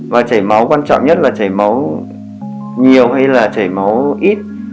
và chảy máu quan trọng nhất là chảy máu nhiều hay là chảy máu ít